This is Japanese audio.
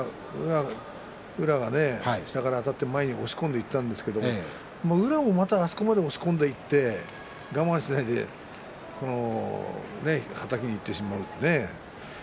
宇良は下からあたって前に押し込んでいったんですが宇良も、またあそこまで押し込んでいって我慢しないではたきにいってしまう。